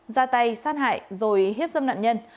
ra tay sát hại rồi hiếp dâm nạn nhân